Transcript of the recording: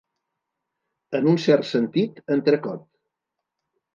En un cert sentit, entrecot.